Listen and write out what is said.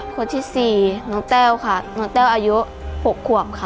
คนที่๔น้องแต้วค่ะน้องแต้วอายุ๖ขวบค่ะ